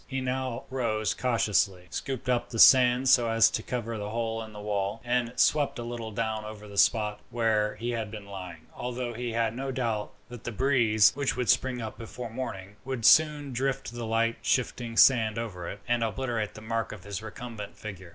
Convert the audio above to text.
He now rose cautiously, scooped up the sand so as to cover the hole in the wall, and swept a little down over the spot where he had been lying, although he had no doubt that the breeze, which would spring up before morning, would soon drift the light shifting sand over it, and obliterate the mark of his recumbent figure.